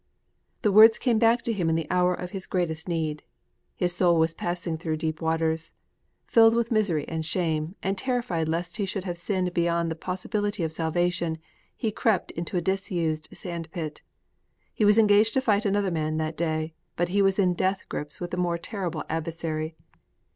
_ The words came back to him in the hour of his greatest need. His soul was passing through deep waters. Filled with misery and shame, and terrified lest he should have sinned beyond the possibility of salvation, he crept into a disused sand pit. He was engaged to fight another man that day, but he was in death grips with a more terrible adversary.